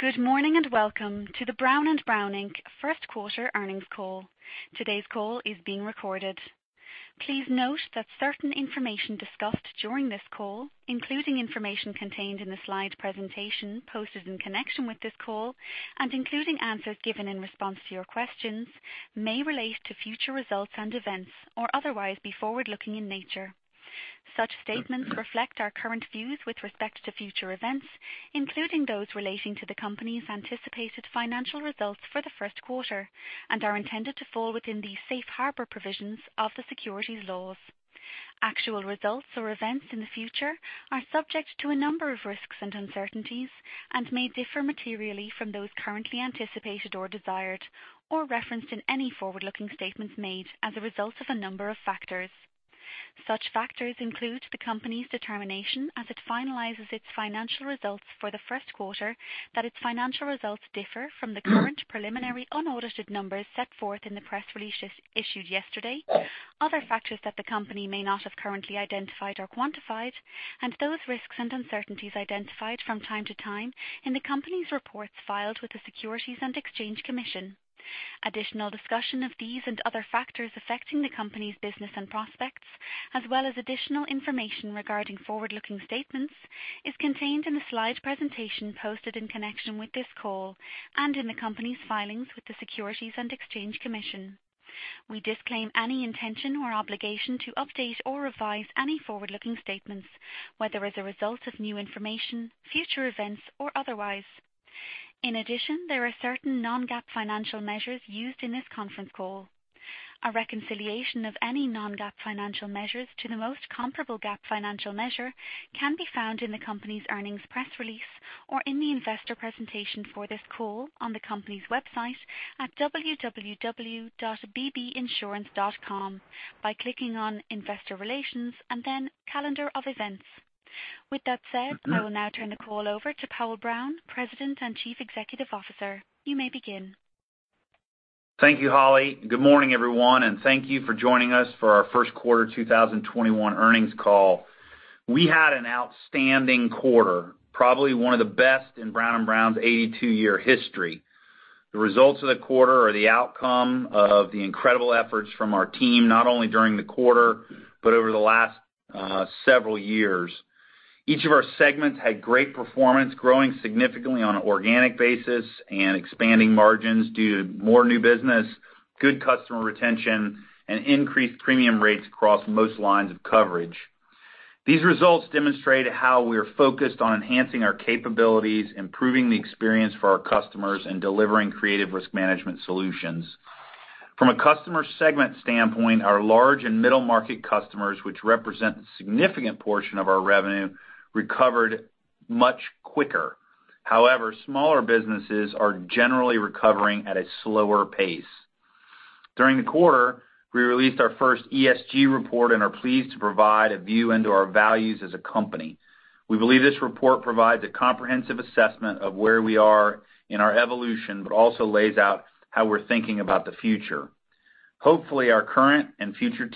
Good morning, and welcome to the Brown & Brown, Inc First Quarter Earnings Call. Today's call is being recorded. Please note that certain information discussed during this call, including information contained in the slide presentation posted in connection with this call and including answers given in response to your questions, may relate to future results and events or otherwise be forward-looking in nature. Such statements reflect our current views with respect to future events, including those relating to the company's anticipated financial results for the first quarter, and are intended to fall within the Safe Harbor provisions of the securities laws. Actual results or events in the future are subject to a number of risks and uncertainties and may differ materially from those currently anticipated or desired, or referenced in any forward-looking statements made as a result of a number of factors. Such factors include the company's determination as it finalizes its financial results for the first quarter, that its financial results differ from the current preliminary unaudited numbers set forth in the press release issued yesterday. Other factors that the company may not have currently identified or quantified, and those risks and uncertainties identified from time to time in the company's reports filed with the Securities and Exchange Commission. Additional discussion of these and other factors affecting the company's business and prospects, as well as additional information regarding forward-looking statements, is contained in the slide presentation posted in connection with this call and in the company's filings with the Securities and Exchange Commission. We disclaim any intention or obligation to update or revise any forward-looking statements, whether as a result of new information, future events, or otherwise. In addition, there are certain non-GAAP financial measures used in this conference call. A reconciliation of any non-GAAP financial measures to the most comparable GAAP financial measure can be found in the company's earnings press release or in the investor presentation for this call on the company's website at www.bbinsurance.com by clicking on Investor Relations and then Calendar of Events. With that said, I will now turn the call over to Powell Brown, President and Chief Executive Officer. You may begin. Thank you, Holly. Good morning, everyone, and thank you for joining us for our first quarter 2021 earnings call. We had an outstanding quarter, probably one of the best in Brown & Brown's 82-year history. The results of the quarter are the outcome of the incredible efforts from our team, not only during the quarter but over the last several years. Each of our segments had great performance, growing significantly on an organic basis and expanding margins due to more new business, good customer retention, and increased premium rates across most lines of coverage. These results demonstrate how we're focused on enhancing our capabilities, improving the experience for our customers, and delivering creative risk management solutions. From a customer segment standpoint, our large and middle-market customers, which represent a significant portion of our revenue, recovered much quicker. However, smaller businesses are generally recovering at a slower pace. During the quarter, we released our first ESG report and are pleased to provide a view into our values as a company. We believe this report provides a comprehensive assessment of where we are in our evolution but also lays out how we're thinking about the future. Hopefully, our current and future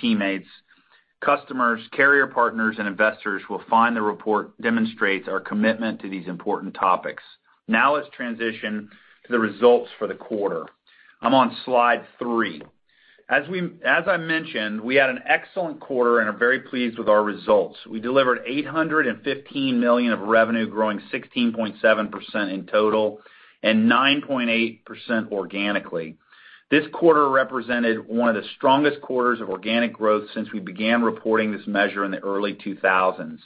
teammates, customers, carrier partners, and investors will find the report demonstrates our commitment to these important topics. Let's transition to the results for the quarter. I'm on slide three. As I mentioned, we had an excellent quarter and are very pleased with our results. We delivered $815 million of revenue, growing 16.7% in total and 9.8% organically. This quarter represented one of the strongest quarters of organic growth since we began reporting this measure in the early 2000s.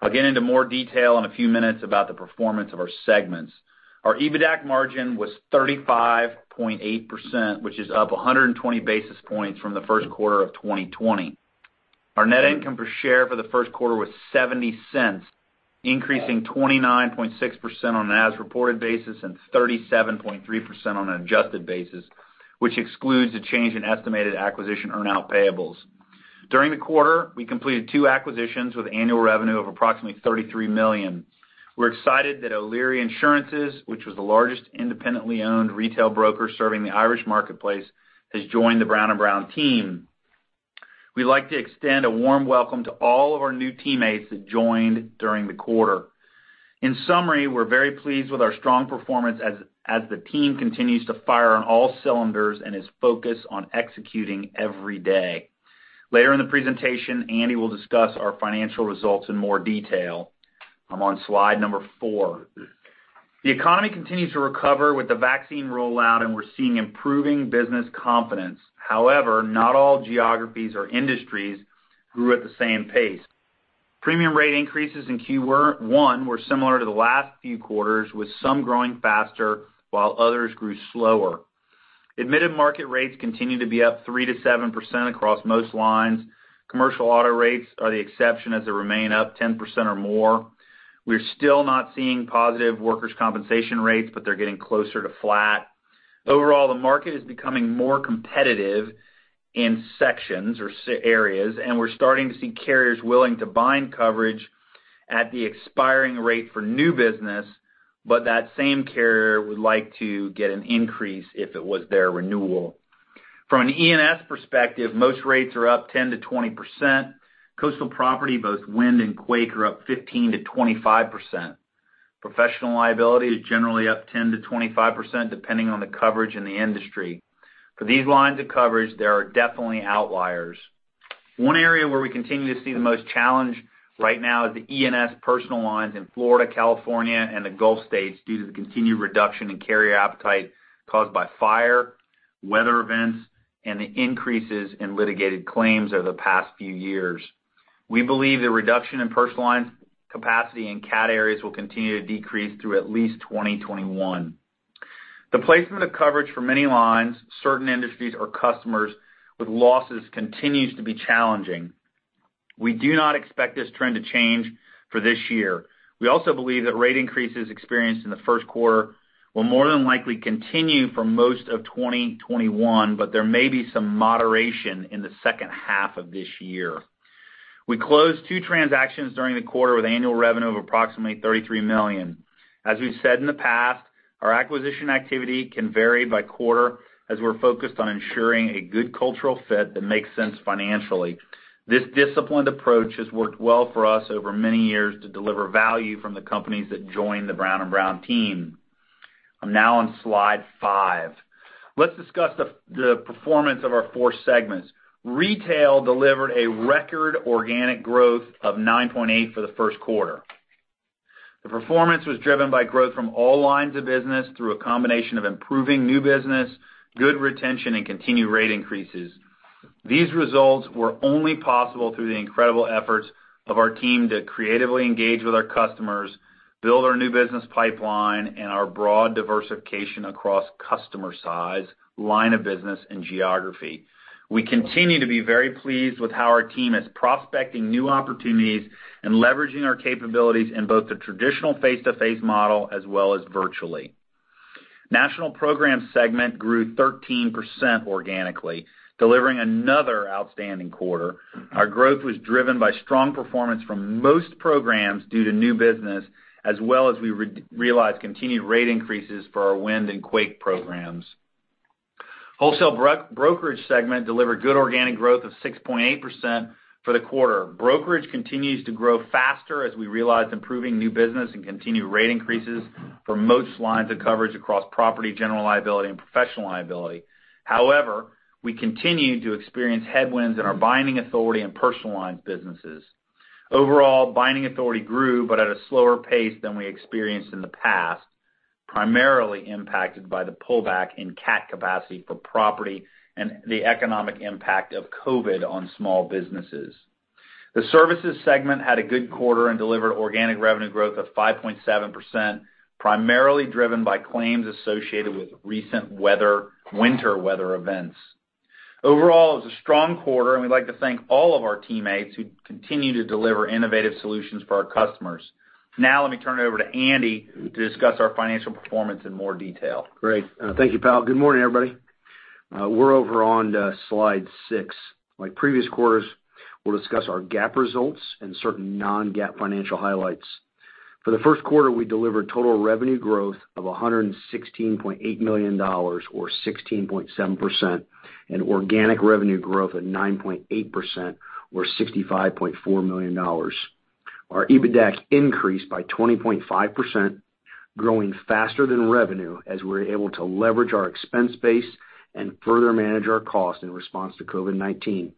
I'll get into more detail in a few minutes about the performance of our segments. Our EBITDAC margin was 35.8%, which is up 120 basis points from the first quarter of 2020. Our net income per share for the first quarter was $0.70, increasing 29.6% on an as-reported basis and 37.3% on an adjusted basis, which excludes a change in estimated acquisition earnout payables. During the quarter, we completed two acquisitions with annual revenue of approximately $33 million. We're excited that O'Leary Insurances, which was the largest independently owned retail broker serving the Irish marketplace, has joined the Brown & Brown team. We'd like to extend a warm welcome to all of our new teammates that joined during the quarter. In summary, we're very pleased with our strong performance as the team continues to fire on all cylinders and is focused on executing every day. Later in the presentation, Andy will discuss our financial results in more detail. I'm on slide number four. The economy continues to recover with the vaccine rollout, and we're seeing improving business confidence. However, not all geographies or industries grew at the same pace. Premium rate increases in Q1 were similar to the last few quarters, with some growing faster while others grew slower. Admitted market rates continue to be up 3%-7% across most lines. Commercial auto rates are the exception as they remain up 10% or more. We're still not seeing positive workers' compensation rates, but they're getting closer to flat. Overall, the market is becoming more competitive in sections or areas, and we're starting to see carriers willing to bind coverage at the expiring rate for new business, but that same carrier would like to get an increase if it was their renewal. From an E&S perspective, most rates are up 10%-20%. Coastal property, both wind and quake, are up 15%-25%. Professional liability is generally up 10%-25%, depending on the coverage and the industry. For these lines of coverage, there are definitely outliers. One area where we continue to see the most challenge right now is the E&S personal lines in Florida, California, and the Gulf states due to the continued reduction in carrier appetite caused by fire, weather events, and the increases in litigated claims over the past few years. We believe the reduction in personal lines capacity in cat areas will continue to decrease through at least 2021. The placement of coverage for many lines, certain industries, or customers with losses continues to be challenging. We do not expect this trend to change for this year. We also believe that rate increases experienced in the first quarter will more than likely continue for most of 2021, but there may be some moderation in the second half of this year. We closed two transactions during the quarter with annual revenue of approximately $33 million. As we've said in the past, our acquisition activity can vary by quarter as we're focused on ensuring a good cultural fit that makes sense financially. This disciplined approach has worked well for us over many years to deliver value from the companies that join the Brown & Brown team. I'm now on slide five. Let's discuss the performance of our four segments. Retail delivered a record organic growth of 9.8% for the first quarter. The performance was driven by growth from all lines of business through a combination of improving new business, good retention, and continued rate increases. These results were only possible through the incredible efforts of our team to creatively engage with our customers, build our new business pipeline, and our broad diversification across customer size, line of business, and geography. We continue to be very pleased with how our team is prospecting new opportunities and leveraging our capabilities in both the traditional face-to-face model as well as virtually. National Program segment grew 13% organically, delivering another outstanding quarter. Our growth was driven by strong performance from most programs due to new business, as well as we realized continued rate increases for our wind and quake programs. Wholesale Brokerage segment delivered good organic growth of 6.8% for the quarter. Brokerage continues to grow faster as we realize improving new business and continued rate increases for most lines of coverage across property, general liability, and professional liability. However, we continue to experience headwinds in our binding authority and personal lines businesses. Overall, binding authority grew, but at a slower pace than we experienced in the past, primarily impacted by the pullback in cat capacity for property and the economic impact of COVID on small businesses. The Services segment had a good quarter and delivered organic revenue growth of 5.7%, primarily driven by claims associated with recent winter weather events. Overall, it was a strong quarter, and we'd like to thank all of our teammates who continue to deliver innovative solutions for our customers. Now, let me turn it over to Andy to discuss our financial performance in more detail. Great. Thank you, Powell. Good morning, everybody. We're over on slide six. Like previous quarters, we'll discuss our GAAP results and certain non-GAAP financial highlights. For the first quarter, we delivered total revenue growth of $116.8 million, or 16.7%, and organic revenue growth of 9.8%, or $65.4 million. Our EBITDAC increased by 20.5%, growing faster than revenue as we were able to leverage our expense base and further manage our costs in response to COVID-19.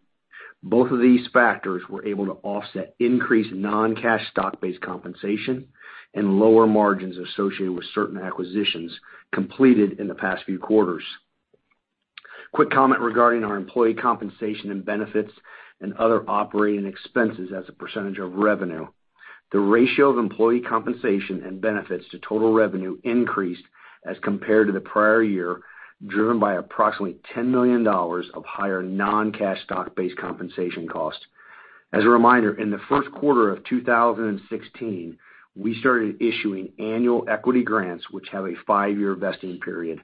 Both of these factors were able to offset increased non-cash stock-based compensation and lower margins associated with certain acquisitions completed in the past few quarters. Quick comment regarding our employee compensation and benefits and other operating expenses as a percentage of revenue. The ratio of employee compensation and benefits to total revenue increased as compared to the prior year, driven by approximately $10 million of higher non-cash stock-based compensation costs. As a reminder, in the first quarter of 2016, we started issuing annual equity grants which have a five-year vesting period.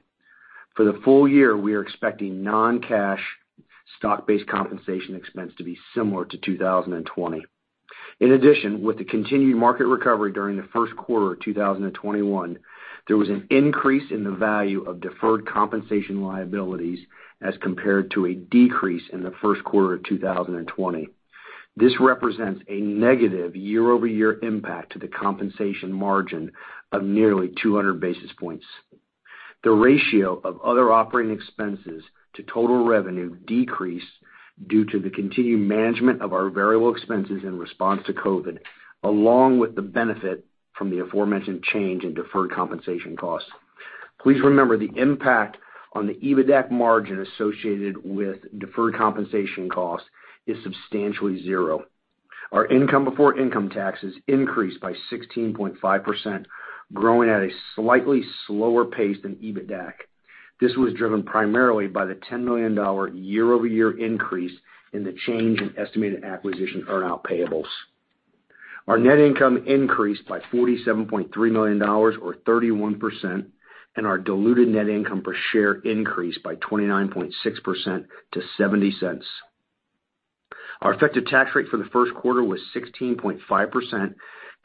For the full year, we are expecting non-cash stock-based compensation expense to be similar to 2020. In addition, with the continued market recovery during the first quarter of 2021, there was an increase in the value of deferred compensation liabilities as compared to a decrease in the first quarter of 2020. This represents a negative year-over-year impact to the compensation margin of nearly 200 basis points. The ratio of other operating expenses to total revenue decreased due to the continued management of our variable expenses in response to COVID, along with the benefit from the aforementioned change in deferred compensation costs. Please remember, the impact on the EBITDAC margin associated with deferred compensation costs is substantially zero. Our income before income taxes increased by 16.5%, growing at a slightly slower pace than EBITDAC. This was driven primarily by the $10 million year-over-year increase in the change in estimated acquisition earnout payables. Our net income increased by $47.3 million, or 31%, and our diluted net income per share increased by 29.6% to $0.70. Our effective tax rate for the first quarter was 16.5%,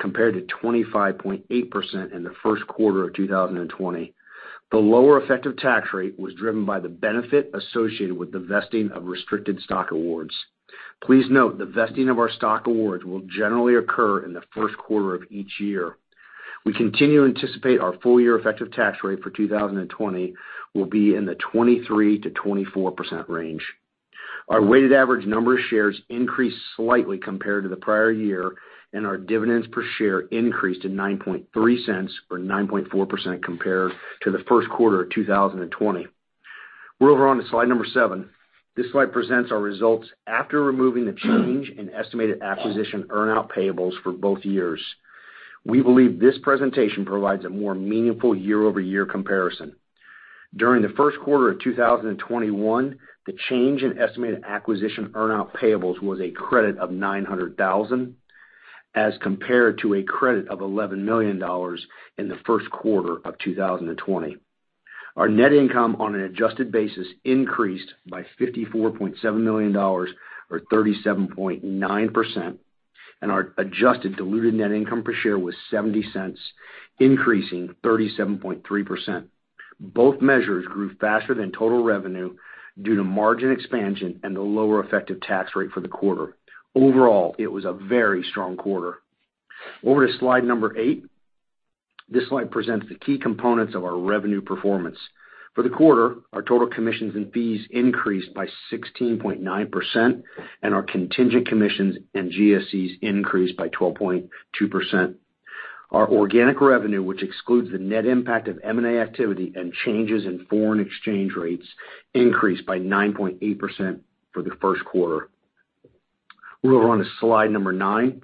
compared to 25.8% in the first quarter of 2020. The lower effective tax rate was driven by the benefit associated with the vesting of restricted stock awards. Please note, the vesting of our stock awards will generally occur in the first quarter of each year. We continue to anticipate our full-year effective tax rate for 2020 will be in the 23%-24% range. Our weighted average number of shares increased slightly compared to the prior year, and our dividends per share increased to $0.093, or 9.4% compared to the first quarter of 2020. We'll move on to slide number seven. This slide presents our results after removing the change in estimated acquisition earnout payables for both years. We believe this presentation provides a more meaningful year-over-year comparison. During the first quarter of 2021, the change in estimated acquisition earnout payables was a credit of $900,000 as compared to a credit of $11 million in the first quarter of 2020. Our net income on an adjusted basis increased by $54.7 million or 37.9%, and our adjusted diluted net income per share was $0.70, increasing 37.3%. Both measures grew faster than total revenue due to margin expansion and the lower effective tax rate for the quarter. Overall, it was a very strong quarter. Over to slide number eight. This slide presents the key components of our revenue performance. For the quarter, our total commissions and fees increased by 16.9%, and our contingent commissions and GSCs increased by 12.2%. Our organic revenue, which excludes the net impact of M&A activity and changes in foreign exchange rates, increased by 9.8% for the first quarter. We'll move on to slide number nine.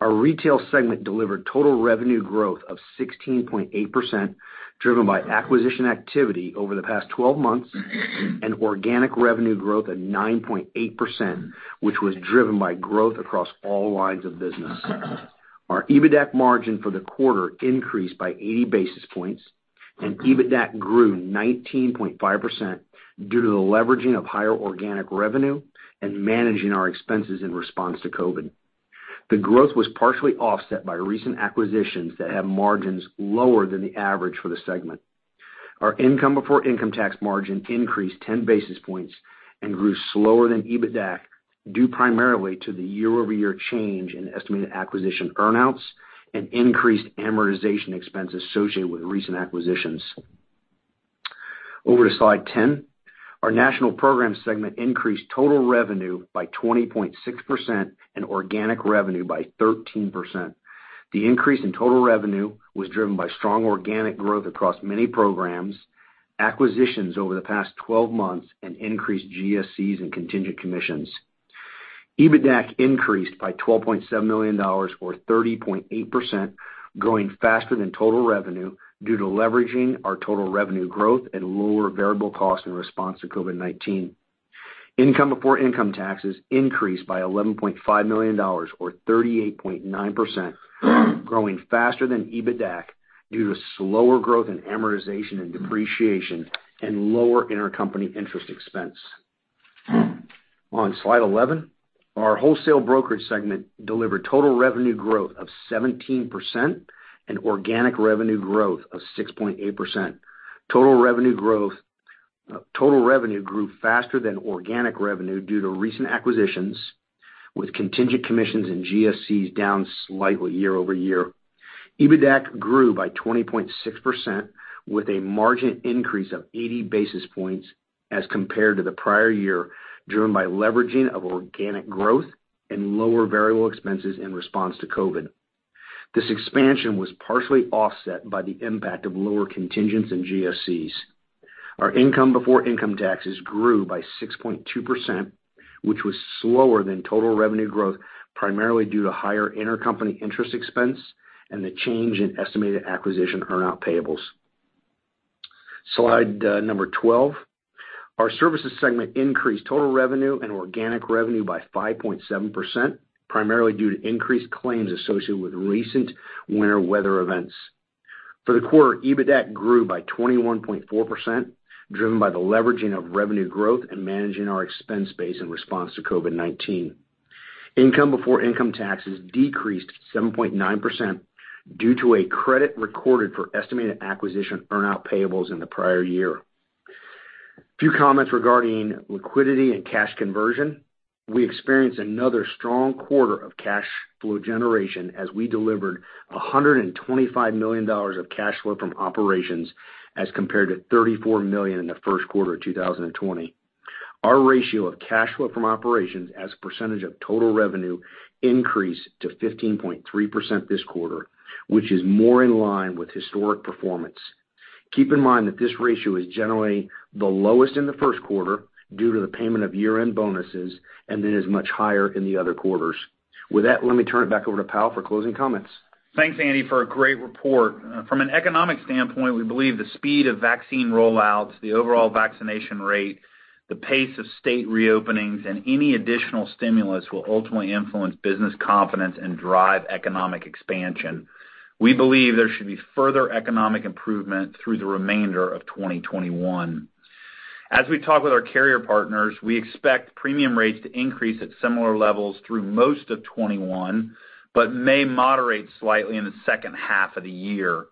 Our retail segment delivered total revenue growth of 16.8%, driven by acquisition activity over the past 12 months and organic revenue growth at 9.8%, which was driven by growth across all lines of business. Our EBITDAC margin for the quarter increased by 80 basis points, and EBITDAC grew 19.5% due to the leveraging of higher organic revenue and managing our expenses in response to COVID. The growth was partially offset by recent acquisitions that have margins lower than the average for the segment. Our income before income tax margin increased 10 basis points and grew slower than EBITDAC, due primarily to the year-over-year change in estimated acquisition earnouts and increased amortization expenses associated with recent acquisitions. Over to slide 10. Our National Program segment increased total revenue by 20.6% and organic revenue by 13%. The increase in total revenue was driven by strong organic growth across many programs, acquisitions over the past 12 months, and increased GSCs and contingent commissions. EBITDAC increased by $12.7 million, or 30.8%, growing faster than total revenue due to leveraging our total revenue growth and lower variable costs in response to COVID-19. Income before income taxes increased by $11.5 million, or 38.9%, growing faster than EBITDAC due to slower growth in amortization and depreciation and lower intercompany interest expense. On slide 11, our Wholesale Brokerage segment delivered total revenue growth of 17% and organic revenue growth of 6.8%. Total revenue grew faster than organic revenue due to recent acquisitions, with contingent commissions and GSCs down slightly year-over-year. EBITDAC grew by 20.6%, with a margin increase of 80 basis points as compared to the prior year, driven by leveraging of organic growth and lower variable expenses in response to COVID. This expansion was partially offset by the impact of lower contingents and GSCs. Our income before income taxes grew by 6.2%, which was slower than total revenue growth, primarily due to higher intercompany interest expense and the change in estimated acquisition earnout payables. Slide number 12. Our Services segment increased total revenue and organic revenue by 5.7%, primarily due to increased claims associated with recent winter weather events. For the quarter, EBITDAC grew by 21.4%, driven by the leveraging of revenue growth and managing our expense base in response to COVID-19. Income before income taxes decreased 7.9% due to a credit recorded for estimated acquisition earnout payables in the prior year. A few comments regarding liquidity and cash conversion. We experienced another strong quarter of cash flow generation as we delivered $125 million of cash flow from operations, as compared to $34 million in the first quarter of 2020. Our ratio of cash flow from operations as a percentage of total revenue increased to 15.3% this quarter, which is more in line with historic performance. Keep in mind that this ratio is generally the lowest in the first quarter due to the payment of year-end bonuses and then is much higher in the other quarters. With that, let me turn it back over to Powell Brown for closing comments. Thanks, Andy, for a great report. From an economic standpoint, we believe the speed of vaccine rollouts, the overall vaccination rate, the pace of state reopenings, and any additional stimulus will ultimately influence business confidence and drive economic expansion. We believe there should be further economic improvement through the remainder of 2021. As we talk with our carrier partners, we expect premium rates to increase at similar levels through most of 2021, but may moderate slightly in the second half of the year.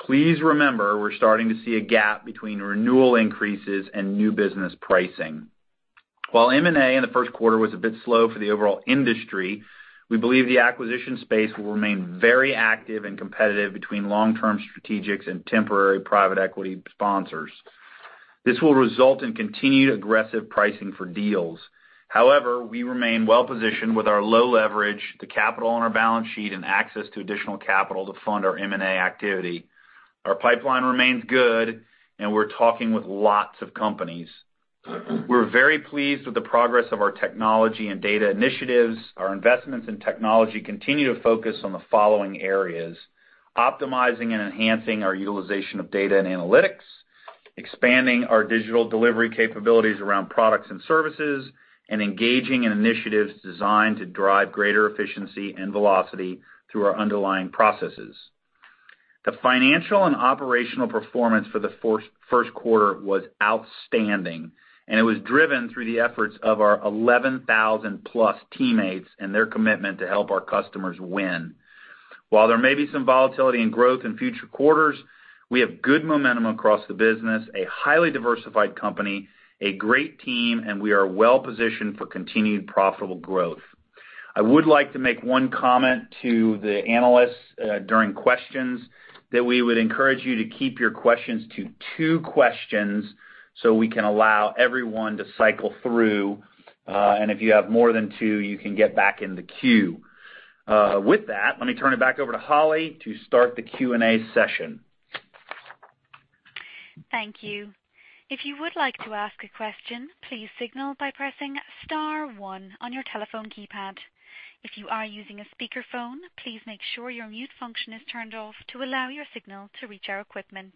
Please remember, we're starting to see a gap between renewal increases and new business pricing. While M&A in the first quarter was a bit slow for the overall industry, we believe the acquisition space will remain very active and competitive between long-term strategics and temporary private equity sponsors. This will result in continued aggressive pricing for deals. We remain well-positioned with our low leverage, the capital on our balance sheet, and access to additional capital to fund our M&A activity. Our pipeline remains good, and we're talking with lots of companies. We're very pleased with the progress of our technology and data initiatives. Our investments in technology continue to focus on the following areas. Optimizing and enhancing our utilization of data and analytics, expanding our digital delivery capabilities around products and services, and engaging in initiatives designed to drive greater efficiency and velocity through our underlying processes. The financial and operational performance for the first quarter was outstanding, and it was driven through the efforts of our 11,000+ teammates and their commitment to help our customers win. While there may be some volatility in growth in future quarters, we have good momentum across the business, a highly diversified company, a great team, and we are well-positioned for continued profitable growth. I would like to make one comment to the analysts during questions that we would encourage you to keep your questions to two questions so we can allow everyone to cycle through. If you have more than two, you can get back in the queue. With that, let me turn it back over to Holly to start the Q&A session. Thank you. If you would like to ask a question, please signal by pressing star one on your telephone keypad. If you are using a speakerphone, please make sure your mute function is turned off to allow your signal to reach our equipment.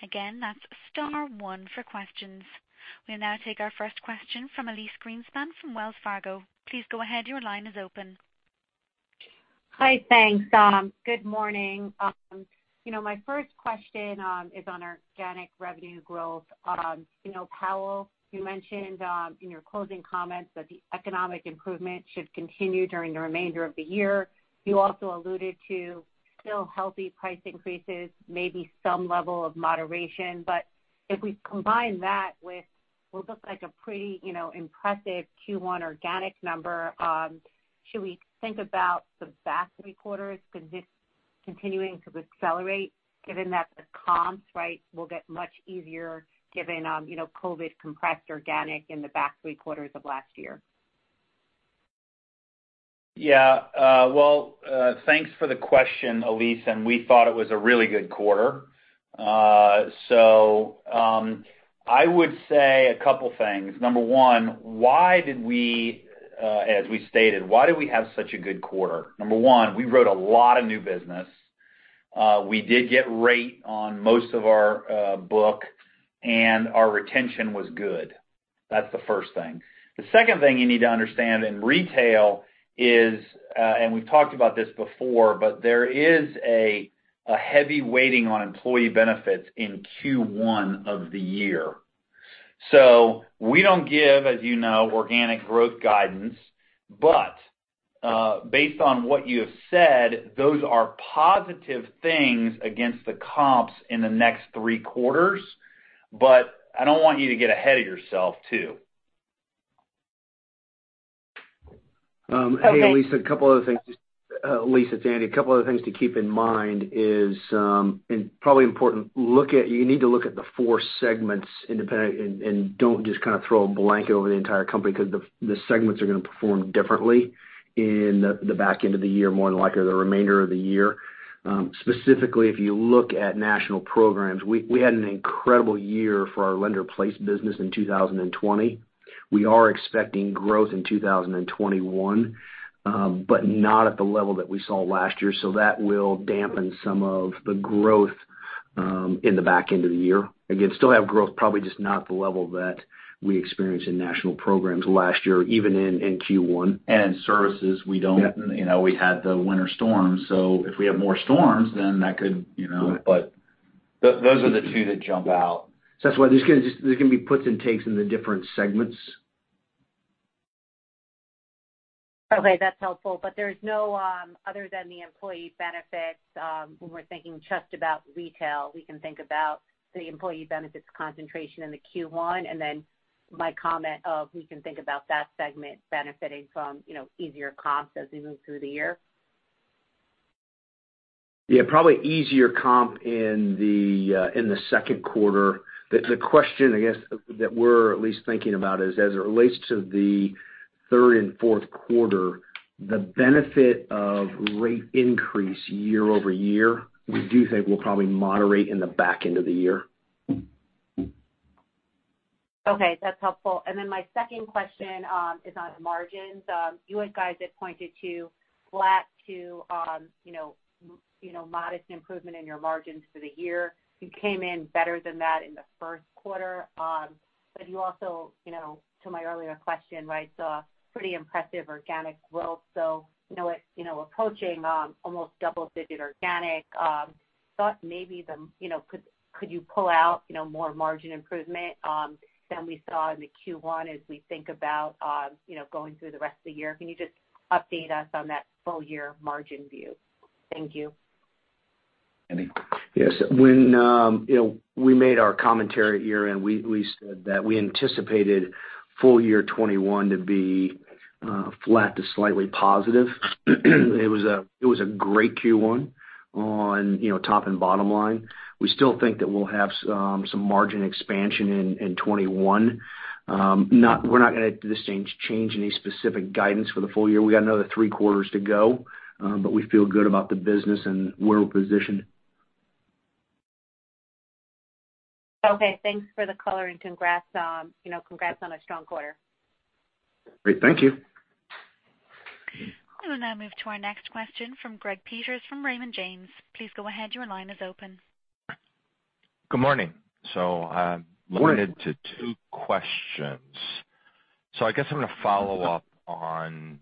Again, that's star one for questions. We'll now take our first question from Elyse Greenspan from Wells Fargo. Please go ahead, your line is open. Hi, thanks. Good morning. My first question is on organic revenue growth. Powell, you mentioned in your closing comments that the economic improvement should continue during the remainder of the year. You also alluded to still healthy price increases, maybe some level of moderation. If we combine that with what looks like a pretty impressive Q1 organic number, should we think about the back three quarters continuing to accelerate given that the comps will get much easier given COVID compressed organic in the back three quarters of last year? Well, thanks for the question, Elyse. We thought it was a really good quarter. I would say a couple things. Number one, as we stated, why did we have such a good quarter? Number one, we wrote a lot of new business. We did get rate on most of our book. Our retention was good. That's the first thing. The second thing you need to understand in retail is, we've talked about this before, there is a heavy weighting on employee benefits in Q1 of the year. We don't give, as you know, organic growth guidance. Based on what you have said, those are positive things against the comps in the next three quarters. I don't want you to get ahead of yourself, too. Okay. Elyse Greenspan, it's Andy. A couple other things to keep in mind is, probably important, you need to look at the four segments independent, and don't just throw a blanket over the entire company because the segments are going to perform differently in the back-end of the year, more than likely, or the remainder of the year. Specifically, if you look at National Programs, we had an incredible year for our lender-placed business in 2020. We are expecting growth in 2021, not at the level that we saw last year, that will dampen some of the growth in the back-end of the year. Still have growth, probably just not at the level that we experienced in National Programs last year, even in Q1. Services, we had the winter storm, if we have more storms. Those are the two that jump out. That's why there's going to be puts and takes in the different segments. Okay, that's helpful. There's no other than the employee benefits when we're thinking just about retail, we can think about the employee benefits concentration in the Q1, and then my comment of we can think about that segment benefiting from easier comps as we move through the year? Yeah, probably easier comp in the second quarter. The question, I guess, that we're at least thinking about is as it relates to the third and fourth quarter, the benefit of rate increase year-over-year, we do think will probably moderate in the back end of the year. Okay, that's helpful. My second question is on margins. You guys had pointed to flat to modest improvement in your margins for the year. You came in better than that in the first quarter. You also, to my earlier question, saw pretty impressive organic growth. Approaching almost double-digit organic, could you pull out more margin improvement than we saw in the Q1 as we think about going through the rest of the year? Can you just update us on that full-year margin view? Thank you. Yes. When we made our commentary at year-end, we said that we anticipated full year 2021 to be flat to slightly positive. It was a great Q1 on top and bottom line. We still think that we'll have some margin expansion in 2021. We're not going to change any specific guidance for the full year. We got another three quarters to go, but we feel good about the business and where we're positioned. Okay. Thanks for the color and congrats on a strong quarter. Great. Thank you. We will now move to our next question from Greg Peters from Raymond James. Please go ahead. Your line is open. Good morning. Morning Limited to two questions. I guess I'm going to follow up on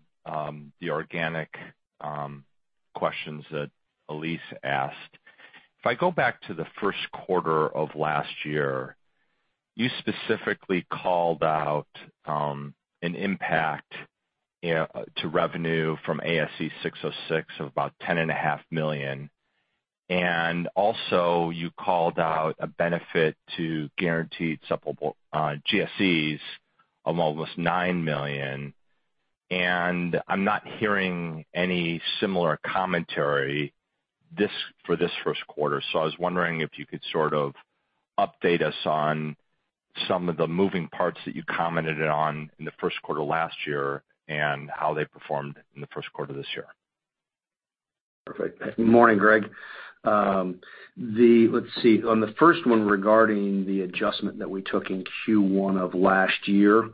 the organic questions that Elyse asked. If I go back to the first quarter of last year, you specifically called out an impact to revenue from ASC 606 of about $10.5 million. Also you called out a benefit to guaranteed GSCs of almost $9 million, and I'm not hearing any similar commentary for this first quarter. I was wondering if you could sort of update us on some of the moving parts that you commented on in the first quarter last year and how they performed in the first quarter this year. Perfect. Good morning, Greg. Let's see. On the first one regarding the adjustment that we took in Q1 of last year,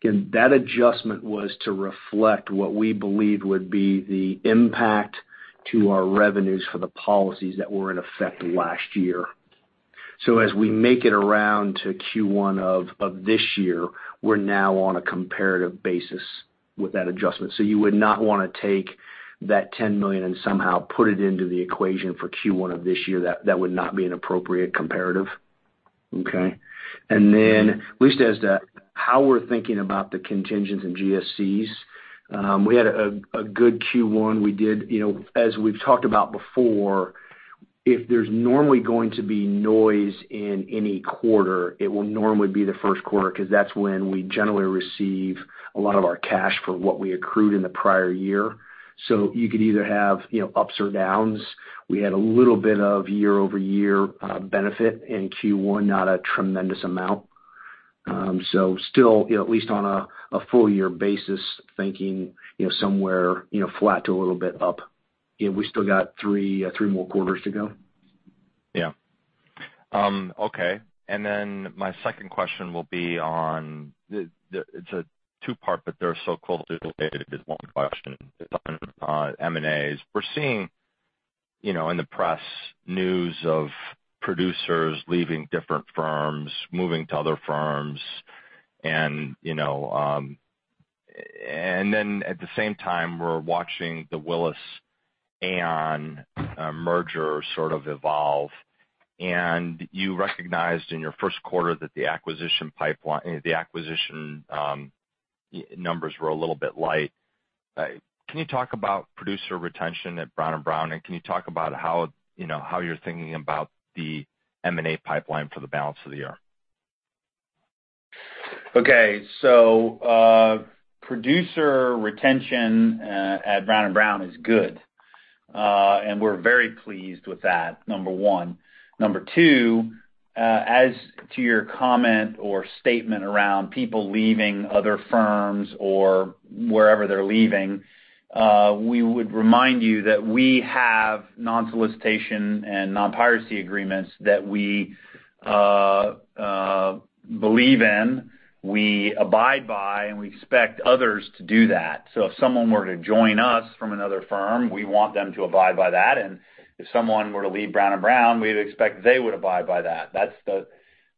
again, that adjustment was to reflect what we believe would be the impact to our revenues for the policies that were in effect last year. As we make it around to Q1 of this year, we're now on a comparative basis with that adjustment. You would not want to take that $10 million and somehow put it into the equation for Q1 of this year. That would not be an appropriate comparative. Okay. Elyse, as to how we're thinking about the contingents and GSCs, we had a good Q1. As we've talked about before, if there's normally going to be noise in any quarter, it will normally be the first quarter because that's when we generally receive a lot of our cash for what we accrued in the prior year. You could either have ups or downs. We had a little bit of year-over-year benefit in Q1, not a tremendous amount. Still, at least on a full year basis, thinking somewhere flat to a little bit up. We still got three more quarters to go. Yeah. Okay. Then my second question will be on it's a two-part, but they're so closely related it is one question on M&As. We're seeing in the press news of producers leaving different firms, moving to other firms, and then at the same time, we're watching the Willis Towers Watson and Aon merger sort of evolve. You recognized in your first quarter that the acquisition numbers were a little bit light. Can you talk about producer retention at Brown & Brown? Can you talk about how you're thinking about the M&A pipeline for the balance of the year? Okay. Producer retention at Brown & Brown is good. We're very pleased with that, number one. Number two, as to your comment or statement around people leaving other firms or wherever they're leaving, we would remind you that we have non-solicitation and non-piracy agreements that we believe in, we abide by, and we expect others to do that. If someone were to join us from another firm, we want them to abide by that. If someone were to leave Brown & Brown, we'd expect they would abide by that. That's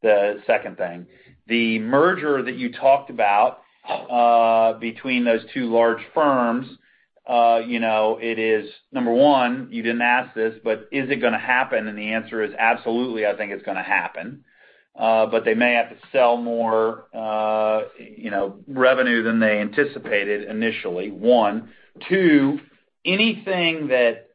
the second thing. The merger that you talked about between those two large firms, it is number one, you didn't ask this, but is it going to happen? The answer is absolutely, I think it's going to happen. They may have to sell more revenue than they anticipated initially, one. Two, anything that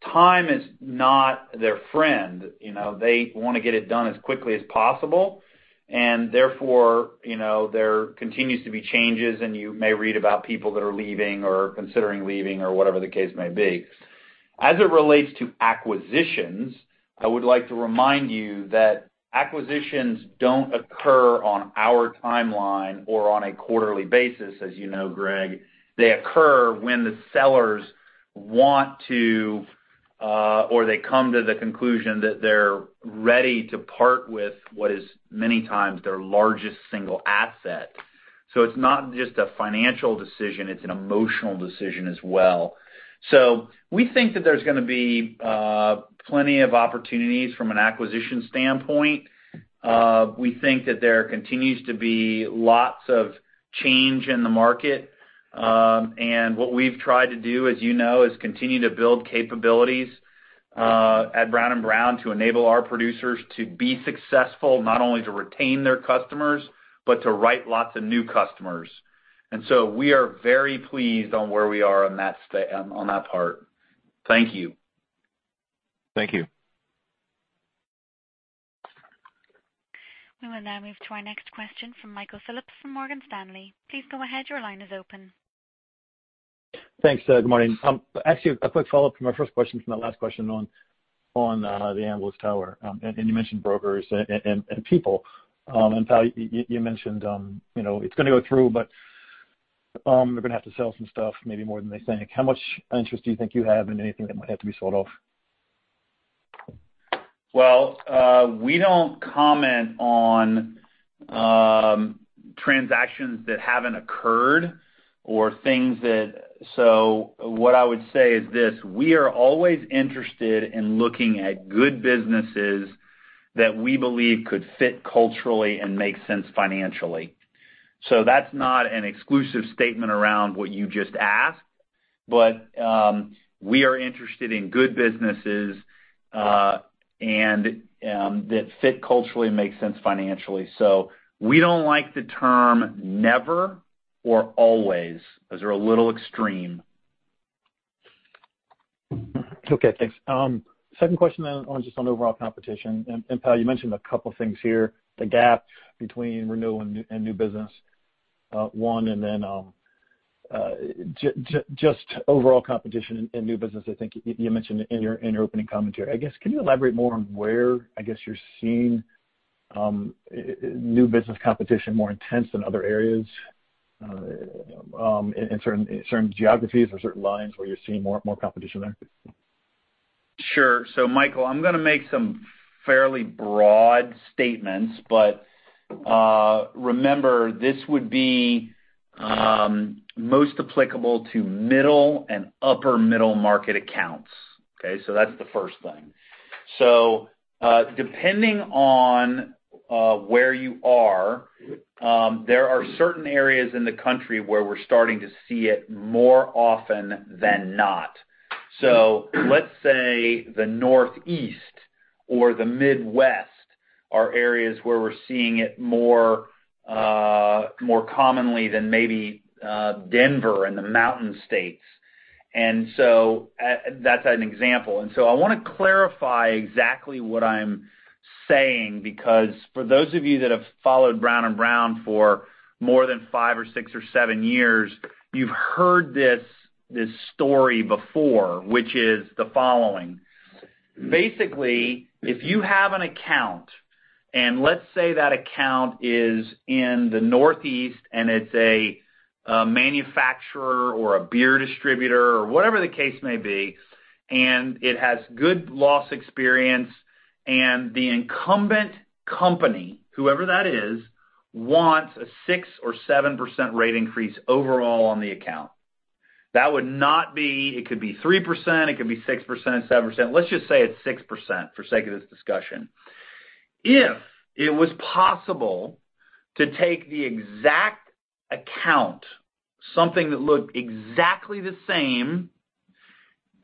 time is not their friend. They want to get it done as quickly as possible. Therefore, there continues to be changes. You may read about people that are leaving or considering leaving or whatever the case may be. As it relates to acquisitions, I would like to remind you that acquisitions don't occur on our timeline or on a quarterly basis, as you know, Greg. They occur when the sellers want to or they come to the conclusion that they're ready to part with what is many times their largest single asset. It's not just a financial decision, it's an emotional decision as well. We think that there's going to be plenty of opportunities from an acquisition standpoint. We think that there continues to be lots of change in the market. What we've tried to do, as you know, is continue to build capabilities at Brown & Brown to enable our producers to be successful, not only to retain their customers, but to write lots of new customers. We are very pleased on where we are on that part. Thank you. Thank you. We will now move to our next question from Michael Phillips from Morgan Stanley. Please go ahead. Your line is open. Thanks. Good morning. Actually, a quick follow-up from my first question, from my last question on the [Aon-Willis Tower]. You mentioned brokers and people. Powell Brown, you mentioned it's going to go through, but they're going to have to sell some stuff, maybe more than they think. How much interest do you think you have in anything that might have to be sold off? Well, we don't comment on transactions that haven't occurred. What I would say is this, we are always interested in looking at good businesses that we believe could fit culturally and make sense financially. That's not an exclusive statement around what you just asked, but we are interested in good businesses that fit culturally and make sense financially. We don't like the term never or always, as they're a little extreme. Okay. Thanks. Second question on just on overall competition. Powell Brown, you mentioned a couple things here, the gap between renewal and new business, one, just overall competition in new business, I think you mentioned in your opening commentary. Can you elaborate more on where you're seeing new business competition more intense than other areas, in certain geographies or certain lines where you're seeing more competition there? Sure. Michael, I'm going to make some fairly broad statements, but remember, this would be most applicable to middle and upper middle market accounts. Okay? That's the first thing. Depending on where you are, there are certain areas in the country where we're starting to see it more often than not. Let's say the Northeast or the Midwest are areas where we're seeing it more commonly than maybe Denver and the Mountain States. That's an example. I want to clarify exactly what I'm saying, because for those of you that have followed Brown & Brown for more than five or six or seven years, you've heard this story before, which is the following. Basically, if you have an account, and let's say that account is in the Northeast, and it's a manufacturer or a beer distributor or whatever the case may be, and it has good loss experience, and the incumbent company, whoever that is, wants a 6% or 7% rate increase overall on the account. It could be 3%, it could be 6%, 7%. Let's just say it's 6% for sake of this discussion. If it was possible to take the exact account, something that looked exactly the same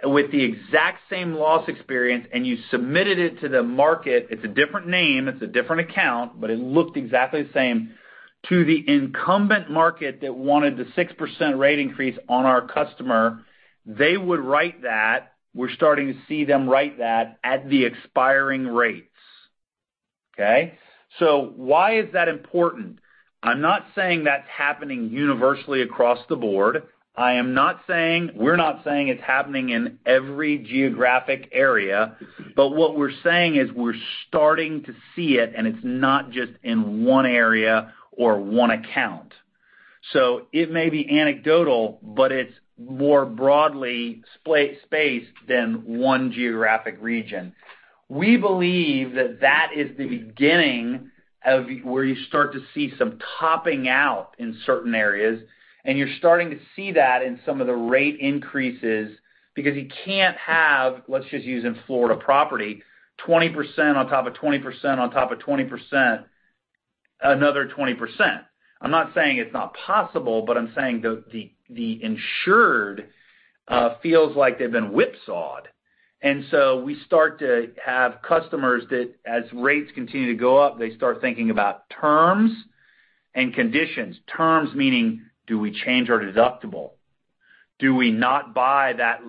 with the exact same loss experience, and you submitted it to the market, it's a different name, it's a different account, but it looked exactly the same, to the incumbent market that wanted the 6% rate increase on our customer, they would write that. We're starting to see them write that at the expiring rates. Okay. Why is that important? I'm not saying that's happening universally across the board. We're not saying it's happening in every geographic area. What we're saying is we're starting to see it, and it's not just in one area or one account. It may be anecdotal, but it's more broadly spaced than one geographic region. We believe that that is the beginning of where you start to see some topping out in certain areas, and you're starting to see that in some of the rate increases, because you can't have, let's just use in Florida property, 20% on top of 20% on top of 20%, another 20%. I'm not saying it's not possible, but I'm saying the insured feels like they've been whipsawed. We start to have customers that as rates continue to go up, they start thinking about terms and conditions. Terms meaning, do we change our deductible? Do we not buy that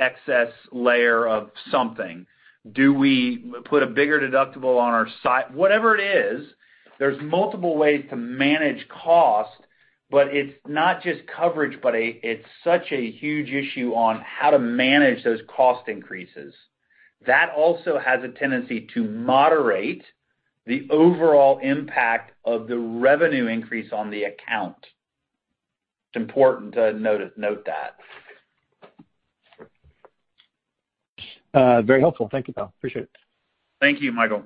excess layer of something? Do we put a bigger deductible on our site? Whatever it is, there's multiple ways to manage cost, but it's not just coverage, but it's such a huge issue on how to manage those cost increases. That also has a tendency to moderate the overall impact of the revenue increase on the account. It's important to note that. Very helpful. Thank you, Powell Brown. Appreciate it. Thank you, Michael.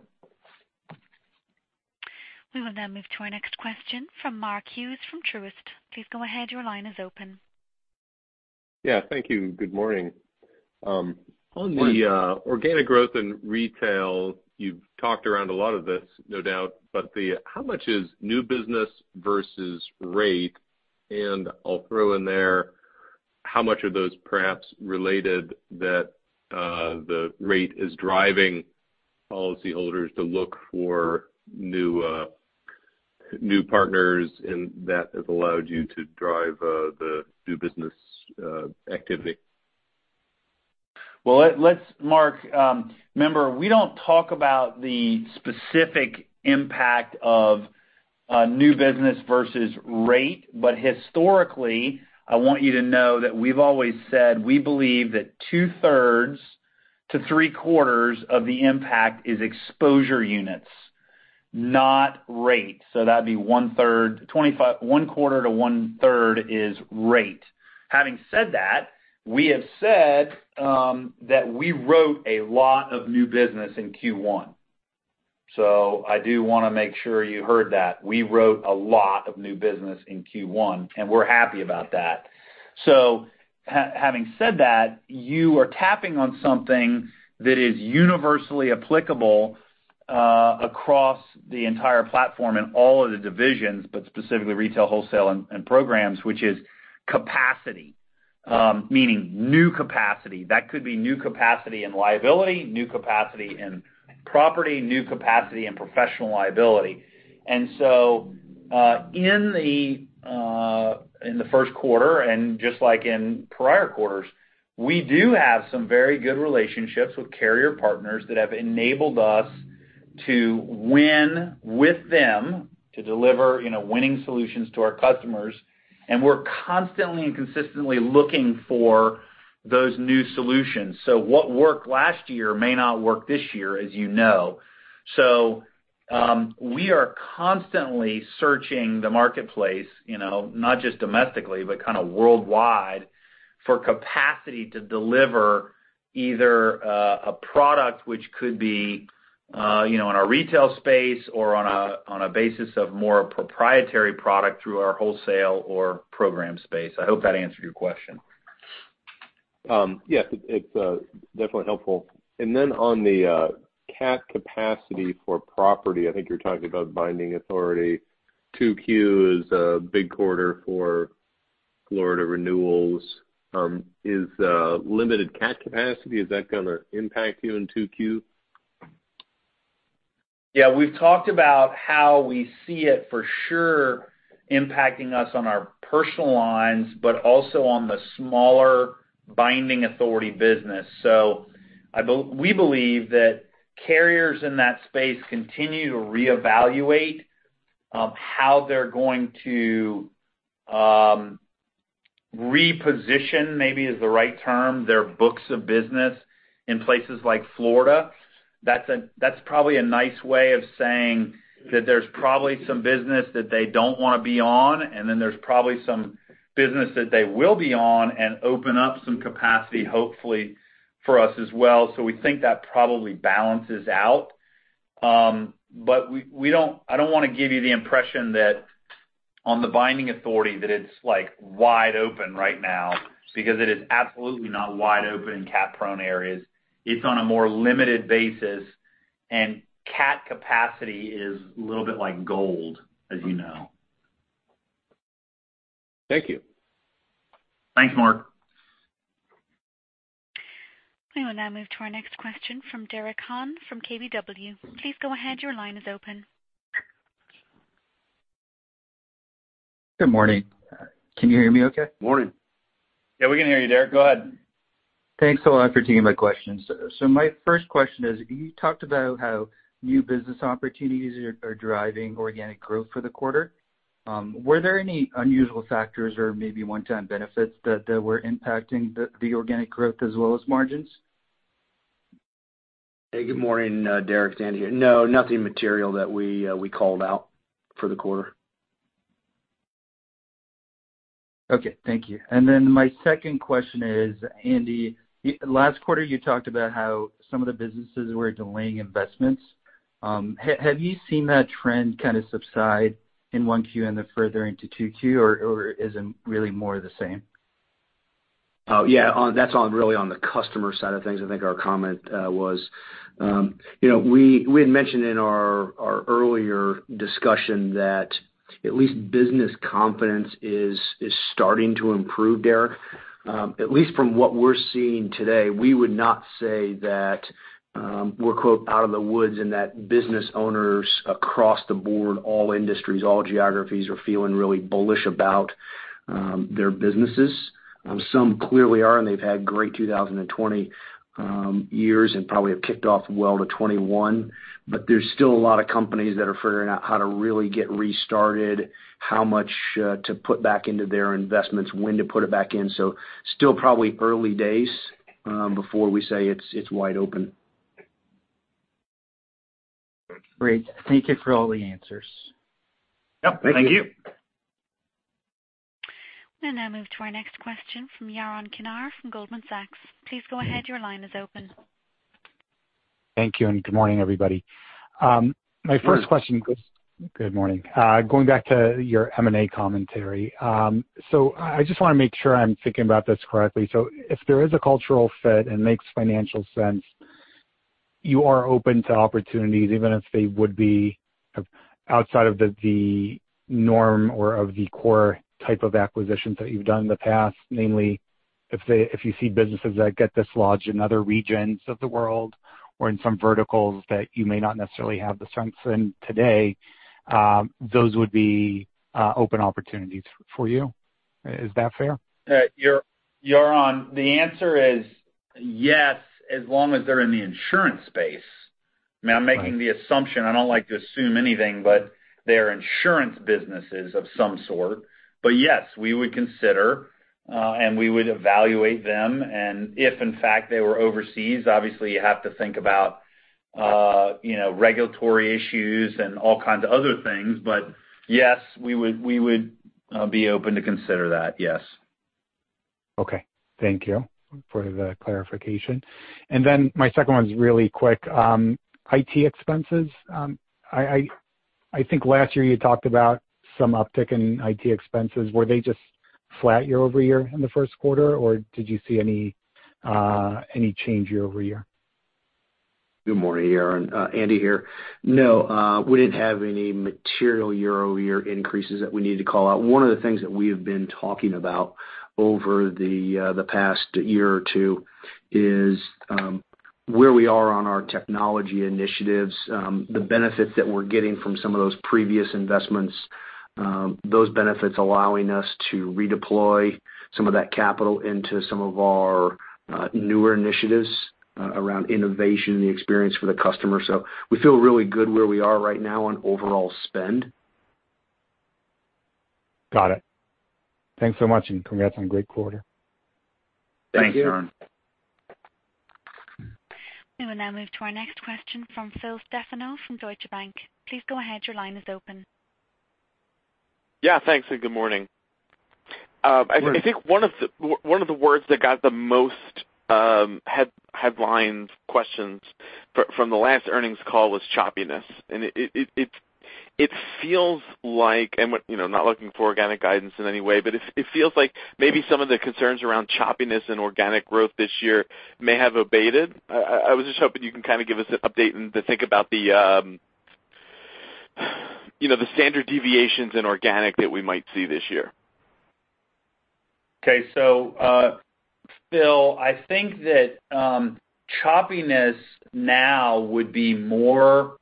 We will now move to our next question from Mark Hughes from Truist. Please go ahead. Your line is open. Yeah. Thank you. Good morning. Good morning. On the organic growth in retail, you've talked around a lot of this, no doubt, but how much is new business versus rate? I'll throw in there, how much are those perhaps related that the rate is driving policyholders to look for new partners, and that has allowed you to drive the new business activity? Well, Mark, remember, we don't talk about the specific impact of new business versus rate. Historically, I want you to know that we've always said, we believe that 2/3 to 3/4 of the impact is exposure units, not rate. That'd be 1/4 to 1/3 is rate. Having said that, we have said that we wrote a lot of new business in Q1. I do want to make sure you heard that. We wrote a lot of new business in Q1, and we're happy about that. Having said that, you are tapping on something that is universally applicable across the entire platform in all of the divisions, but specifically retail, wholesale, and programs, which is capacity, meaning new capacity. That could be new capacity in liability, new capacity in property, new capacity in professional liability. In the first quarter, and just like in prior quarters, we do have some very good relationships with carrier partners that have enabled us to win with them, to deliver winning solutions to our customers. We're constantly and consistently looking for those new solutions. What worked last year may not work this year, as you know. We are constantly searching the marketplace, not just domestically, but kind of worldwide, for capacity to deliver either a product which could be in our retail space or on a basis of more a proprietary product through our wholesale or program space. I hope that answered your question. Yes, it's definitely helpful. On the cat capacity for property, I think you're talking about binding authority. 2Q is a big quarter for Florida renewals. Is that going to impact you in 2Q? Yeah. We've talked about how we see it for sure impacting us on our personal lines, but also on the smaller binding authority business. We believe that carriers in that space continue to reevaluate how they're going to reposition, maybe is the right term, their books of business in places like Florida. That's probably a nice way of saying that there's probably some business that they don't want to be on, and then there's probably some business that they will be on and open up some capacity, hopefully for us as well. We think that probably balances out. I don't want to give you the impression that on the binding authority, that it's wide open right now, because it is absolutely not wide open in cat-prone areas. It's on a more limited basis, and cat capacity is a little bit like gold, as you know. Thank you. Thanks, Mark. We will now move to our next question from Derek Han from KBW. Please go ahead, your line is open. Good morning. Can you hear me okay? Morning. Yeah, we can hear you, Derek. Go ahead. Thanks a lot for taking my questions. My first question is, you talked about how new business opportunities are driving organic growth for the quarter. Were there any unusual factors or maybe one-time benefits that were impacting the organic growth as well as margins? Hey, good morning, Derek. It's Andy here. No, nothing material that we called out for the quarter. Okay. Thank you. My second question is, Andy, last quarter, you talked about how some of the businesses were delaying investments. Have you seen that trend kind of subside in 1Q and then further into 2Q, or is it really more the same? Oh, yeah. That's really on the customer side of things, I think our comment was. We had mentioned in our earlier discussion that at least business confidence is starting to improve, Derek. At least from what we're seeing today, we would not say that we're "out of the woods" and that business owners across the board, all industries, all geographies, are feeling really bullish about their businesses. Some clearly are, and they've had great 2020 years and probably have kicked off well to 2021. There's still a lot of companies that are figuring out how to really get restarted, how much to put back into their investments, when to put it back in. Still probably early days before we say it's wide open. Great. Thank you for all the answers. Yep. Thank you. Thank you. We'll now move to our next question from Yaron Kinar from Goldman Sachs. Please go ahead, your line is open. Thank you. Good morning, everybody. Morning. Good morning. Going back to your M&A commentary. I just want to make sure I'm thinking about this correctly. If there is a cultural fit and makes financial sense, you are open to opportunities, even if they would be outside of the norm or of the core type of acquisitions that you've done in the past, namely, if you see businesses that get dislodged in other regions of the world or in some verticals that you may not necessarily have the strengths in today, those would be open opportunities for you. Is that fair? Yaron, the answer is yes, as long as they're in the insurance space. I'm making the assumption, I don't like to assume anything, but they are insurance businesses of some sort. Yes, we would consider, and we would evaluate them. If in fact they were overseas, obviously you have to think about regulatory issues and all kinds of other things. Yes, we would be open to consider that. Yes. Okay. Thank you for the clarification. My second one's really quick. IT expenses. I think last year you talked about some uptick in IT expenses. Were they just flat year-over-year in the first quarter, or did you see any change year-over-year? Good morning, Yaron. Andy here. No, we didn't have any material year-over-year increases that we need to call out. One of the things that we have been talking about over the past year or two is where we are on our technology initiatives, the benefits that we're getting from some of those previous investments, those benefits allowing us to redeploy some of that capital into some of our newer initiatives around innovation, the experience for the customer. We feel really good where we are right now on overall spend. Got it. Thanks so much, and congrats on a great quarter. Thank you. Thanks, Yaron. We will now move to our next question from Phil Stefano from Deutsche Bank. Please go ahead. Your line is open. Yeah, thanks, and good morning. Good morning. I think one of the words that got the most headlines, questions from the last earnings call was choppiness. It feels like, I'm not looking for organic guidance in any way, but it feels like maybe some of the concerns around choppiness and organic growth this year may have abated. I was just hoping you can give us an update and to think about the standard deviations in organic that we might see this year. Okay. Phil, I think that choppiness now would be more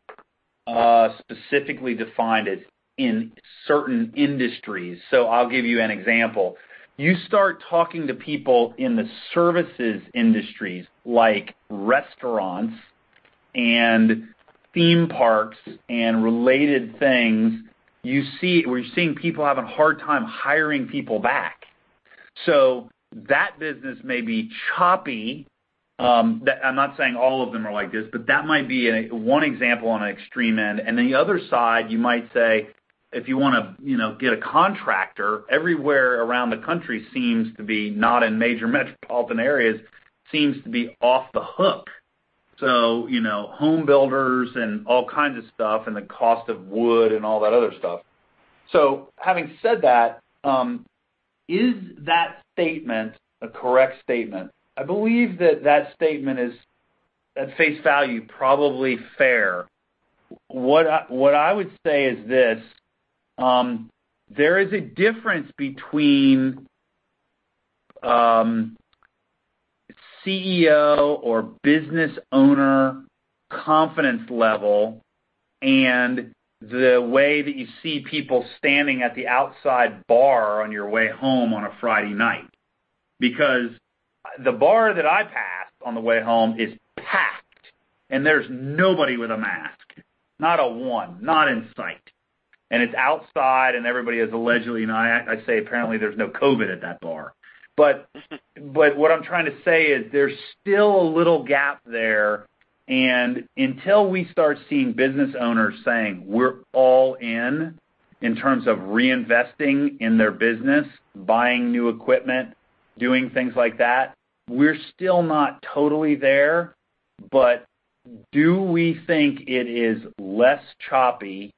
specifically defined as in certain industries. I'll give you an example. You start talking to people in the services industries like restaurants and theme parks and related things, we're seeing people having a hard time hiring people back. That business may be choppy. I'm not saying all of them are like this, but that might be one example on an extreme end. The other side, you might say, if you want to get a contractor, everywhere around the country, not in major metropolitan areas, seems to be off the hook. Home builders and all kinds of stuff, and the cost of wood and all that other stuff. Having said that, is that statement a correct statement? I believe that that statement is, at face value, probably fair. What I would say is this, there is a difference between CEO or business owner confidence level and the way that you see people standing at the outside bar on your way home on a Friday night. The bar that I pass on the way home is packed, and there's nobody with a mask, not a one, not in sight. It's outside, and everybody is allegedly, I say apparently, there's no COVID at that bar. What I'm trying to say is there's still a little gap there, and until we start seeing business owners saying, we're all in terms of reinvesting in their business, buying new equipment, doing things like that, we're still not totally there. Do we think it is less choppy?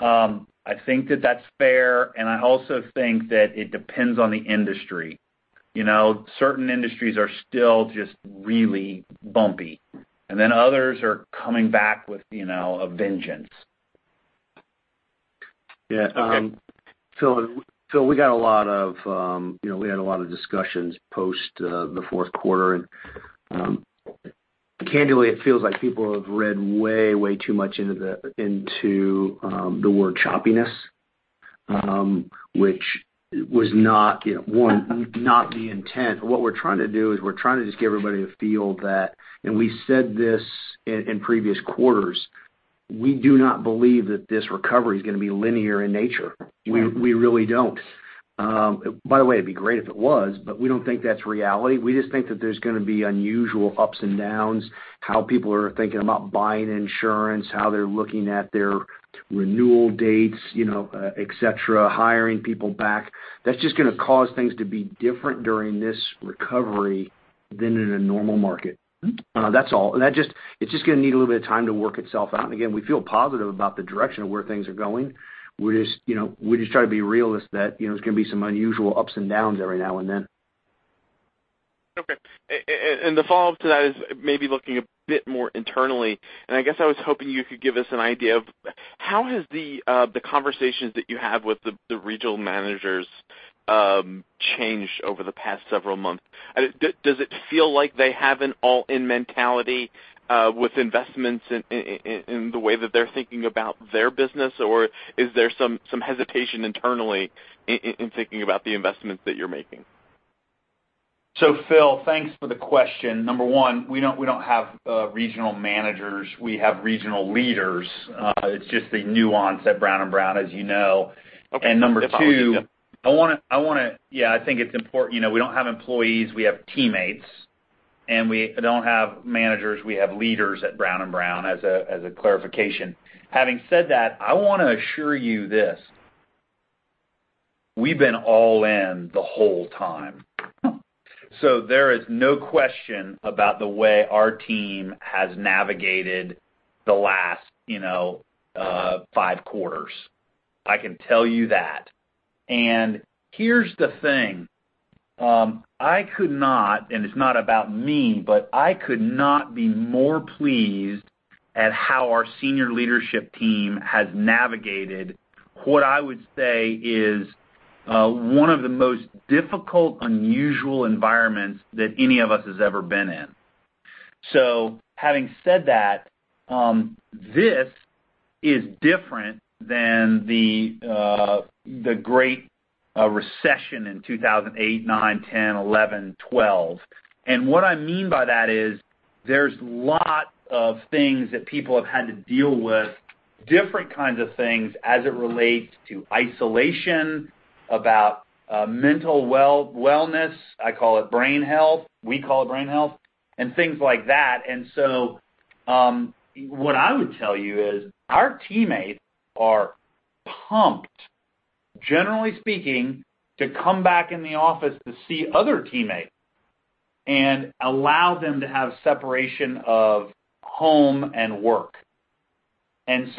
I think that that's fair, and I also think that it depends on the industry. Certain industries are still just really bumpy. Others are coming back with a vengeance. Yeah. Phil, we had a lot of discussions post the fourth quarter, and candidly, it feels like people have read way too much into the word choppiness, which was, one, not the intent. What we're trying to do is we're trying to just give everybody a feel that, and we said this in previous quarters, we do not believe that this recovery is going to be linear in nature. Right. We really don't. By the way, it'd be great if it was, but we don't think that's reality. We just think that there's going to be unusual ups and downs, how people are thinking about buying insurance, how they're looking at their renewal dates, et cetera, hiring people back. That's just going to cause things to be different during this recovery than in a normal market. That's all. It's just going to need a little bit of time to work itself out. Again, we feel positive about the direction of where things are going. We just try to be real is that there's going to be some unusual ups and downs every now and then. Okay. The follow-up to that is maybe looking a bit more internally, and I guess I was hoping you could give us an idea of how has the conversations that you have with the regional managers changed over the past several months? Does it feel like they have an all-in mentality with investments in the way that they're thinking about their business? Or is there some hesitation internally in thinking about the investments that you're making? Phil, thanks for the question. Number one, we don't have regional managers. We have regional leaders. It's just a nuance at Brown & Brown, as you know. Okay. Number two, I think it's important. We don't have employees, we have teammates, and we don't have managers, we have leaders at Brown & Brown, as a clarification. Having said that, I want to assure you this. We've been all in the whole time. There is no question about the way our team has navigated the last five quarters. I can tell you that. Here's the thing. I could not, and it's not about me, but I could not be more pleased at how our senior leadership team has navigated what I would say is one of the most difficult, unusual environments that any of us has ever been in. Having said that, this is different than the Great Recession in 2008, 2009, 2010, 2011, 2012. What I mean by that is there's lot of things that people have had to deal with, different kinds of things as it relates to isolation, about mental wellness, I call it brain health. We call it brain health and things like that. What I would tell you is our teammates are pumped, generally speaking, to come back in the office to see other teammates and allow them to have separation of home and work. That's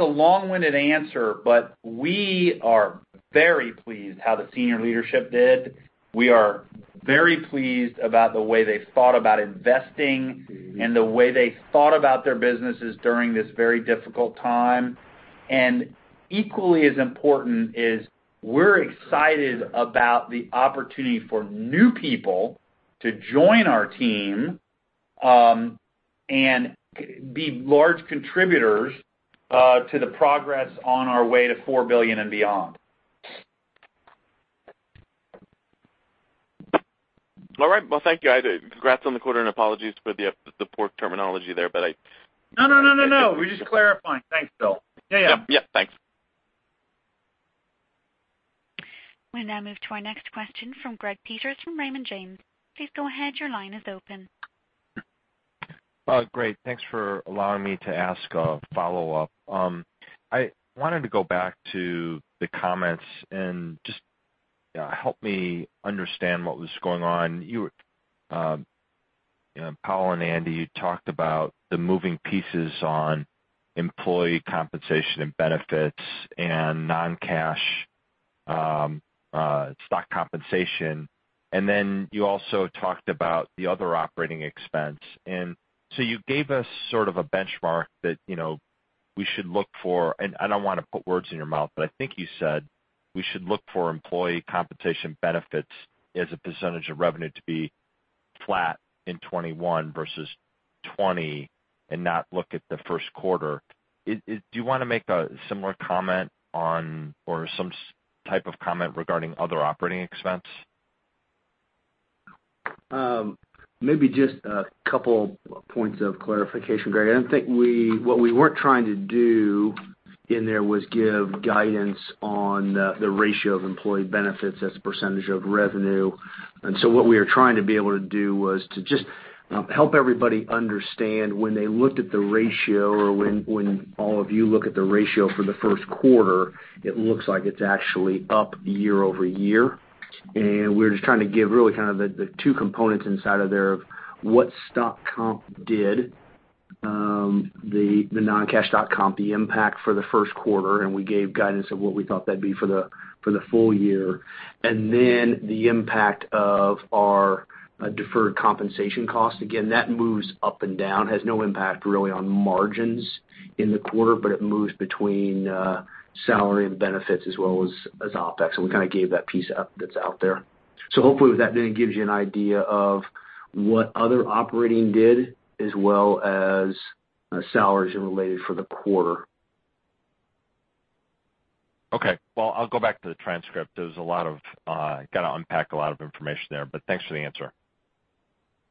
a long-winded answer, but we are very pleased how the senior leadership did. We are very pleased about the way they thought about investing and the way they thought about their businesses during this very difficult time, and equally as important is we're excited about the opportunity for new people to join our team, and be large contributors to the progress on our way to $4 billion and beyond. All right. Well, thank you. Congrats on the quarter and apologies for the poor terminology there. No, no, no. We're just clarifying. Thanks, Phil. Yeah. Yep. Thanks. We now move to our next question from Greg Peters from Raymond James. Please go ahead. Your line is open. Great. Thanks for allowing me to ask a follow-up. I wanted to go back to the comments and just help me understand what was going on. Powell Brown and Andy, you talked about the moving pieces on employee compensation and benefits and non-cash stock compensation, and then you also talked about the other operating expense. You gave us sort of a benchmark that we should look for, and I don't want to put words in your mouth, but I think you said we should look for employee compensation benefits as a percentage of revenue to be flat in 2021 versus 2020 and not look at the first quarter. Do you want to make a similar comment on or some type of comment regarding other operating expense? Maybe just a couple points of clarification, Greg. I don't think what we weren't trying to do in there was give guidance on the ratio of employee benefits as a percentage of revenue. What we were trying to be able to do was to just help everybody understand when they looked at the ratio or when all of you look at the ratio for the first quarter, it looks like it's actually up year-over-year. We're just trying to give really kind of the two components inside of there of what stock comp did, the non-cash stock comp, the impact for the first quarter, and we gave guidance of what we thought that'd be for the full year. The impact of our deferred compensation cost. That moves up and down, has no impact really on margins in the quarter, but it moves between salary and benefits as well as OpEx. We kind of gave that piece that's out there. Hopefully that then gives you an idea of what other operating did as well as salaries and related for the quarter. Okay. Well, I'll go back to the transcript. Got to unpack a lot of information there. Thanks for the answer.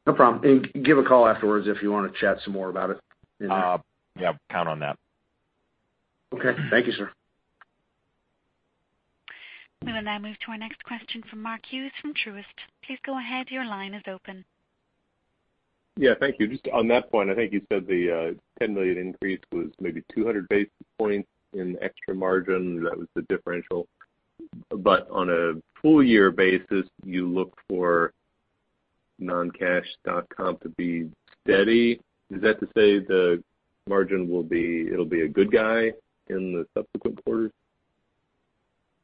No problem. Give a call afterwards if you want to chat some more about it. Yep, count on that. Okay. Thank you, sir. We will now move to our next question from Mark Hughes from Truist. Please go ahead. Your line is open. Yeah, thank you. Just on that point, I think you said the $10 million increase was maybe 200 basis points in extra margin. That was the differential. On a full year basis, you look for non-cash stock comp to be steady. Is that to say the margin will be a good guy in the subsequent quarters?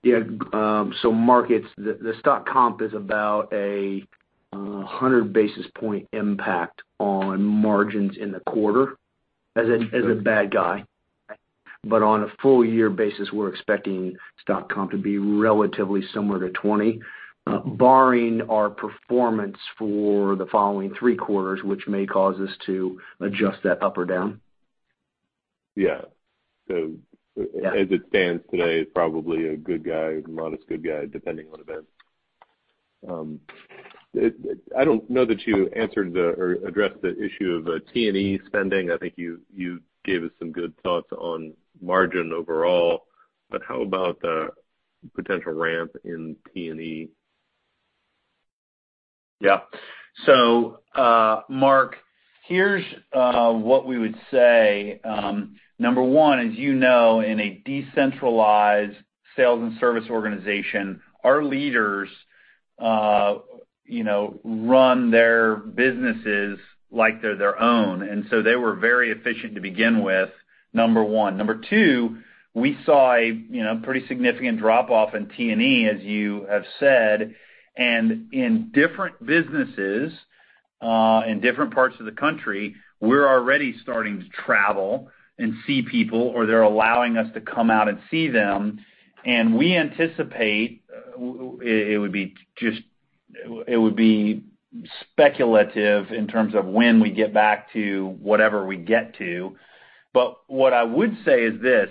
Mark, it's the stock comp is about a 100 basis point impact on margins in the quarter as a bad guy. On a full year basis, we're expecting stock comp to be relatively similar to 2020, barring our performance for the following three quarters, which may cause us to adjust that up or down. Yeah. As it stands today, probably a good guy, modest good guy, depending on events. I don't know that you addressed the issue of T&E spending. I think you gave us some good thoughts on margin overall. How about the potential ramp in T&E? Yeah. Mark, here's what we would say. Number one, as you know, in a decentralized sales and service organization, our leaders run their businesses like they're their own. They were very efficient to begin with, number one. Number two, we saw a pretty significant drop-off in T&E, as you have said, and in different businesses, in different parts of the country, we're already starting to travel and see people, or they're allowing us to come out and see them. We anticipate it would be speculative in terms of when we get back to whatever we get to. What I would say is this,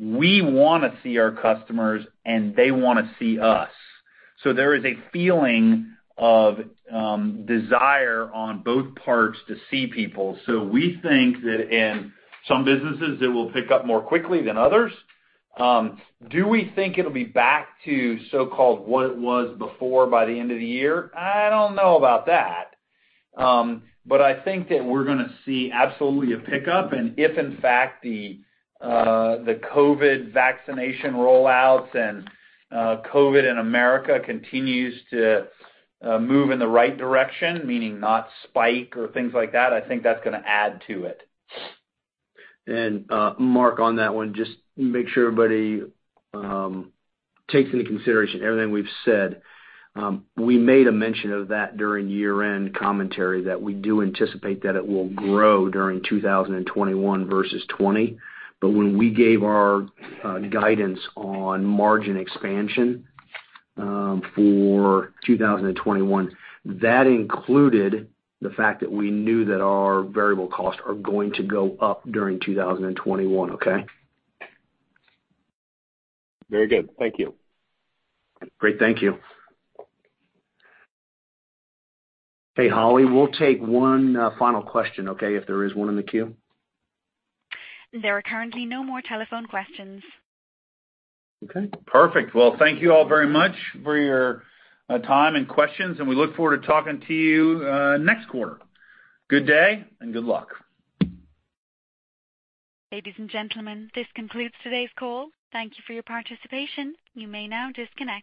we want to see our customers, and they want to see us. There is a feeling of desire on both parts to see people. We think that in some businesses, it will pick up more quickly than others. Do we think it'll be back to so-called what it was before by the end of the year? I don't know about that. I think that we're going to see absolutely a pickup, and if in fact the COVID vaccination roll-outs and COVID in America continues to move in the right direction, meaning not spike or things like that, I think that's going to add to it. Mark, on that one, just make sure everybody takes into consideration everything we've said. We made a mention of that during year-end commentary that we do anticipate that it will grow during 2021 versus 2020. When we gave our guidance on margin expansion for 2021, that included the fact that we knew that our variable costs are going to go up during 2021, okay? Very good. Thank you. Great. Thank you. Hey, Holly, we'll take one final question, okay? If there is one in the queue. There are currently no more telephone questions. Okay. Perfect. Well, thank you all very much for your time and questions, and we look forward to talking to you next quarter. Good day and good luck. Ladies and gentlemen, this concludes today's call. Thank you for your participation. You may now disconnect.